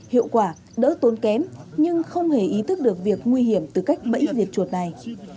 hiệu quả đỡ tốn kém nhưng không hề ý thức được việc nguy hiểm từ cách bẫy diệt chuột này